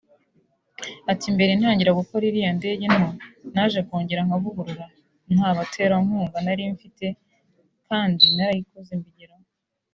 Ati “Mbere ntangira gukora iriya ndege nto naje kongera nkavugurura nta baterankunga nari mfite kandi narayikoze mbigeraho